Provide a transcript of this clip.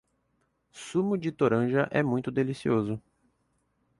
Sumo de toranja é muito delicioso